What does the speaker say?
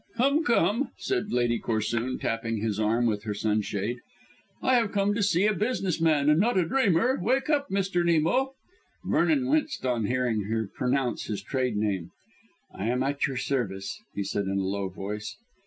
"Come! Come!" said Lady Corsoon, tapping his arm with her sunshade. "I have come to see a business man and not a dreamer. Wake up, Mr. Nemo." Vernon winced on hearing her pronounce his trade name. "I am at your service," he said in a low voice.